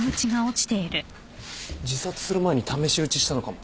自殺する前に試し撃ちしたのかも。